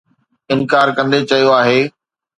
انڪار ڪندي چيو آهي